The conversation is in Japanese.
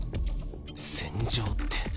戦場って。